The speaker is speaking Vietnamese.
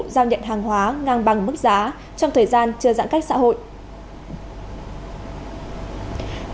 giao nhận hàng hóa ngang bằng mức giá trong thời gian chưa giãn cách xã hội